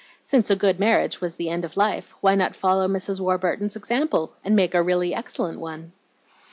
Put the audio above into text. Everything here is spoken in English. Since a good marriage was the end of life, why not follow Mrs. Warburton's example, and make a really excellent one?